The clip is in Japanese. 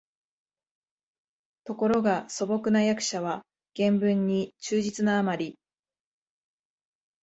ところが素朴な訳者は原文に忠実なあまり、